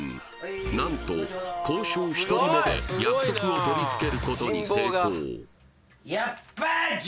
何と交渉１人目で約束を取り付けることに成功